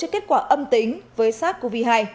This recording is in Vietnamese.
kết quả âm tính với sars cov hai